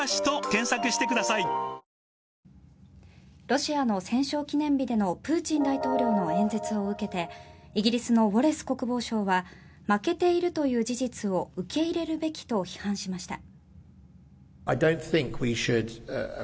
ロシアの戦勝記念日でのプーチン大統領の演説を受けてイギリスのウォレス国防相は負けているという事実を受け入れるべきと批判しました。